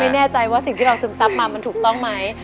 แน่ใจว่าสิ่งที่เราซึมซับมามันถูกต้องไหม